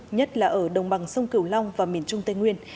nhất là ở đồng bằng sông cửu long và miền trung tây nguyên